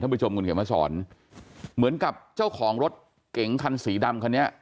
ผู้ชมคุณเขียนมาสอนเหมือนกับเจ้าของรถเก๋งคันสีดำคันนี้